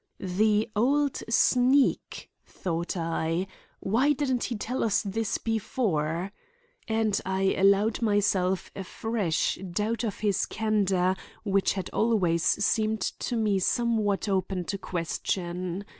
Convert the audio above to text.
"The old sneak!" thought I. "Why didn't he tell us this before?" And I allowed myself a fresh doubt of his candor which had always seemed to me somewhat open to question.